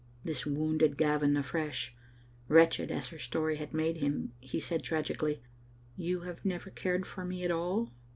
This wounded Gavin afresh, wretched as her story had made him, and he said tragically, "You have never cared for me at all."